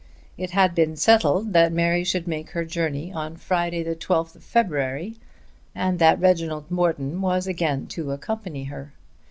It had been settled that Mary should make her journey on Friday the 12th February and that Reginald Morton was again to accompany her.